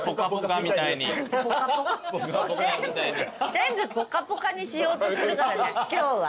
全部『ぽかぽか』にしようとするからね今日は。